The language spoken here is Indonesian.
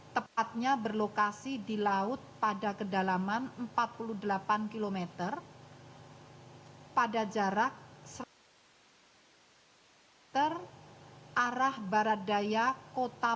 tepatnya berlokasi di laut pada kedalaman empat puluh delapan km pada jarak seratus meter arah barat daya kota